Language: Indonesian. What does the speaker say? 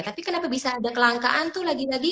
tapi kenapa bisa ada kelangkaan tuh lagi lagi